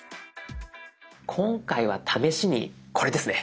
今回は試しにこれですね。